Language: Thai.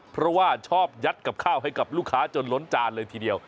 เพราะว่าชอบยัดกับข้าวให้กับลูกค้าจนล้นจานเลยทีเดียว